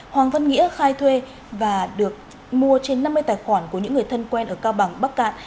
hoàng văn nghĩa khai thuê và được mua trên năm mươi tài khoản của những người thân quen ở cao bằng bắc cạn